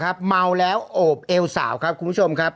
เมาแล้วโอบเอวสาวครับคุณผู้ชมครับ